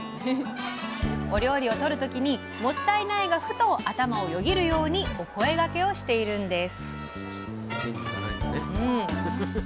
料理を取るときに「もったいない」がふと頭をよぎるようにお声がけをしているんです。